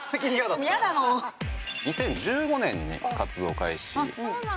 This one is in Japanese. ２０１５年に活動開始。